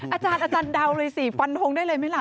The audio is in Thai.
อาจารย์อาจารย์เดาเลยสิพันธงได้เลยไหมล่ะ